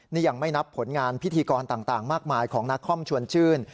นี่ยังไม่นับผลงานพิธีกรต่างมากมายของนักคอมชวนชื่น